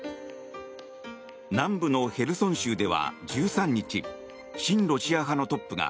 南部のヘルソン州では１３日親ロシア派のトップが